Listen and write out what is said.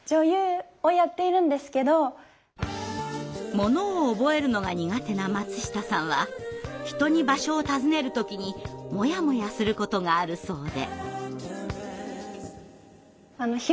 ものを覚えるのが苦手な松下さんは人に場所を尋ねる時にモヤモヤすることがあるそうで。